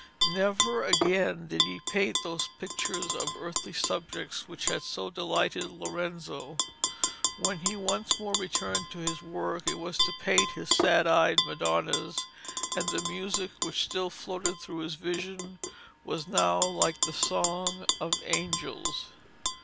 Never again did he paint those pictures of earthly subjects which had so delighted Lorenzo. When he once more returned to his work, it was to paint his sad eyed Madonnas; and the music which still floated through his visions was now like the song of angels.